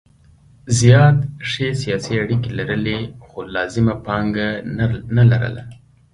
زیات ښې سیاسي اړیکې لرلې خو لازمه پانګه نه لرله.